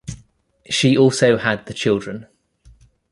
She also had the children.